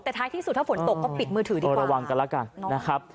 แต่ท้ายที่สุดถ้าฝนตกก็ปิดมือถือด้วยระวังกันแล้วกันนะครับ